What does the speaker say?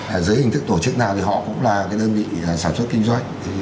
ở dưới hình thức tổ chức nào thì họ cũng là cái đơn vị sản xuất kinh doanh